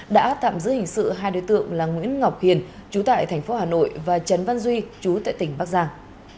đã tạm giữ hình sự hai đối tượng là nguyễn ngọc hiền chú tại tp hà nội và trấn văn duy chú tại tỉnh bắc giang